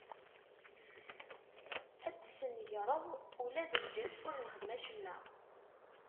Ad tesnegreḍ ula d lǧens ur nexdim acemma?